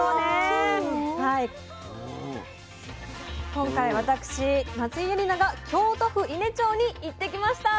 今回私松井絵里奈が京都府伊根町に行ってきました。